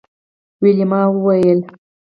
ویلما وویل